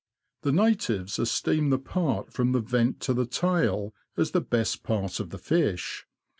The natives esteem the part from the vent to the tail as the best part of the fish.